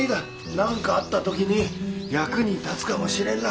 何かあった時に役に立つかもしれんら。